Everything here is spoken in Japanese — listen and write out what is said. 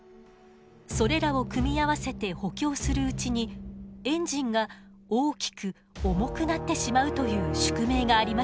それらを組み合わせて補強するうちにエンジンが大きく重くなってしまうという宿命がありました。